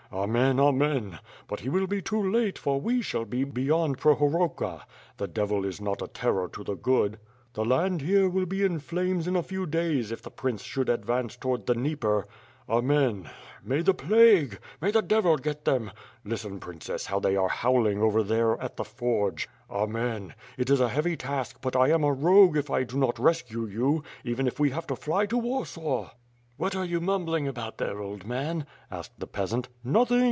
... Amen! Amen! But he will be too late for we shall be beyond Prohorowka The devil is not a terror to the good the land here will be in flames in a few days if the prince should advance towards the Dnie per Amen May the plague ... May the devil get them. ... Listen, Princess, how they are howling WITH FIRE AND SWORD, 269 over there at the forge. ... Amen. ... It is a heavy task but 1 am a rogue if 1 do not rescue you; even if we have to fly to Warsaw. ..." "What are you mumbling about there, old man?" asked the peasant. "Nothing.